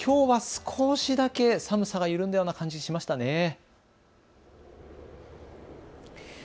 きょうは少しだけ寒さが緩んだような感じがしましたね。